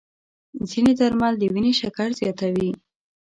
ځینې درمل د وینې شکر زیاتوي.